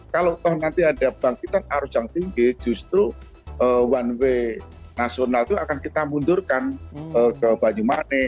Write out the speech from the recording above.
kalau nanti ada bangkitan arus yang tinggi justru one way nasional itu akan kita mundurkan ke banyumane